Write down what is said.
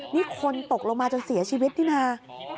นี่คนตกลงมาจนเสียชีวิตนี่นะ